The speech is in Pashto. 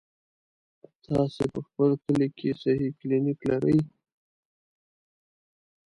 تاسې په خپل کلي کې صحي کلينيک لرئ؟